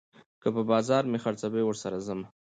که په بازار مې خرڅوي، ورسره ځمه